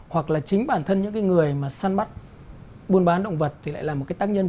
hoặc là chính bản thân những cái người mà săn bắt buôn bán động vật thì lại là một cái tác nhân